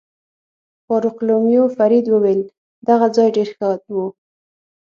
فاروقلومیو فرید وویل: دغه ځای ډېر ښه و.